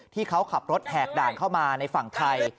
ที่เขาขับรถแหกด่านเข้ามาในฝั่งไทย